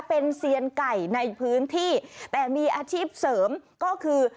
เป็นเซียนไก่ในพื้นที่แต่มีอาชีพเสริมก็คือ